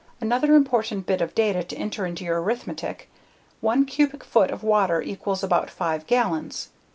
Another important bit of data to enter into your arithmetic: 1 cubic foot of water equals about 5 gallons.